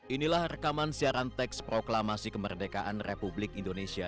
inilah rekaman siaran teks proklamasi kemerdekaan republik indonesia